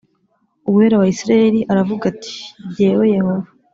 Uwera wa Isirayeli aravuga ati jyewe Yehova